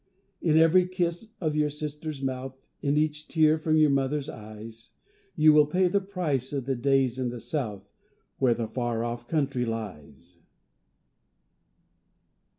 In every kiss of your sister's mouth, In each tear from your mother's eyes, You will pay the price of the days in the South Where the far off country lies.